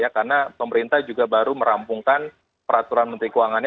karena pemerintah juga baru merampungkan peraturan menteri keuangannya